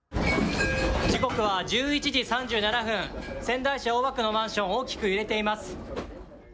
時刻は１１時３７分、仙台市青葉区のマンション、大きく揺れています。